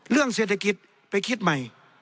เรื่องเศรษฐกิจไปคิดใหม่